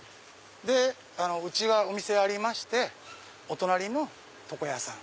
うちがお店やりましてお隣床屋さん。